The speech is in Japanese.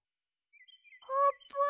あーぷん？